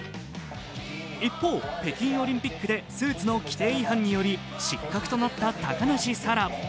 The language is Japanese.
一方、北京オリンピックでスーツの規定違反により失格となった高梨沙羅。